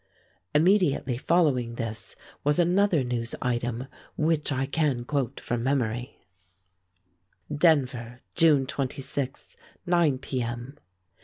Immediately following this was another news item which I can quote from memory: DENVER, June 26, 9 P. M.